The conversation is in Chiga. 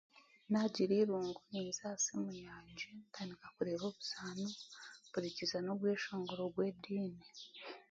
Naagira eirungu ninza aha simu yangye ntandika kureeba obuzaano mpurikiriza n'obweshongoro bw'ediini